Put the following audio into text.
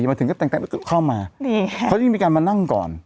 มาถึงก็แต่งแต่งก็เข้ามานี่ครับเขาจะยิ่งมีการมานั่งก่อน